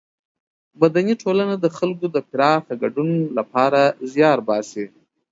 مدني ټولنه د خلکو د پراخه ګډون له پاره زیار باسي.